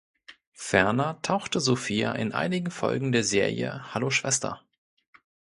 Ferner tauchte Sophia in einigen Folgen der Serie "Hallo Schwester!